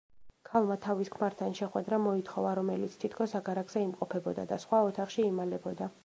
ქალმა თავის ქმართან შეხვედრა მოითხოვა, რომელიც თითქოს აგარაკზე იმყოფებოდა და სხვა ოთახში იმალებოდა.